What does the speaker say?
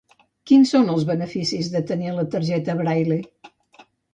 Quins són els beneficis de tenir la targeta Braille?